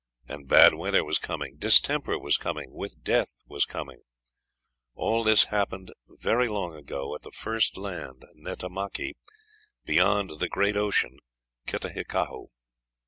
And bad weather was coming, distemper was coming, with death was coming. All this happened very long ago, at the first land, Netamaki, beyond the great ocean Kitahikau."